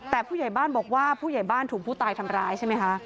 แต่ผู้ใหญ่บ้านบอกว่าผู้ใหญ่บ้านถูกผู้ตายทำร้ายใช่ไหมคะ